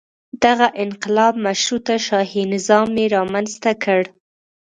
دغه انقلاب مشروطه شاهي نظام یې رامنځته کړ.